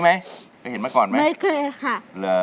มันเป็นเงินกู